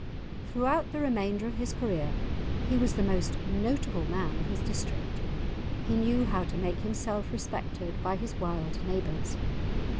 Throughout the remainder of his career he was the most notable man of his district. He knew how to make himself respected by his wild neighbours.